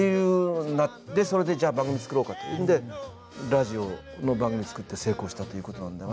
それでじゃ番組作ろうかというのでラジオの番組作って成功したという事なんだが。